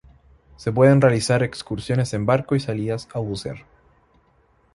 Se pueden realizar excursiones en barco y salidas a bucear.